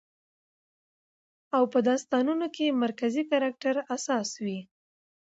او په داستانونو کې مرکزي کرکټر اساس وي